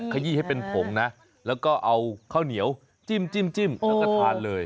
ขยี้ให้เป็นผงนะแล้วก็เอาข้าวเหนียวจิ้มแล้วก็ทานเลย